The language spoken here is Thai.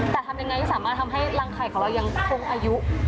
แต่ทำยังไงก็สามารถทำให้รังไข่ของเรายังคงอายุ